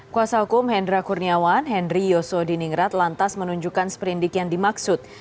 kuasa hukum hendra kurniawan henry yoso di ningrat lantas menunjukkan sprint dig yang dimaksud